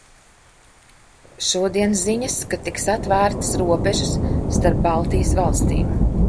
Šodien ziņas, ka tiks atvērtas robežas starp Baltijas valstīm.